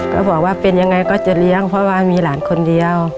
ก็บอกว่าเป็นยังไงก็จะเลี้ยงเพราะว่ามีหลานคนเดียว